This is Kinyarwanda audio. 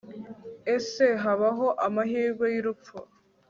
Ese habahoAmahirwe yurupfu